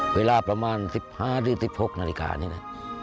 เวลาประมาณ๑๕หรือ๑๖นาฬิกานี่นะ